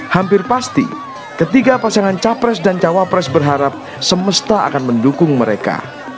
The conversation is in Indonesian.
hampir pasti ketiga pasangan capres dan cawapres berharap semesta akan mendukung mereka